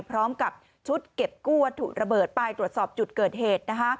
พร้อมกับชุดเก็บกู้วัตถุระเบิดไปตรวจสอบจุดเกิดเหตุ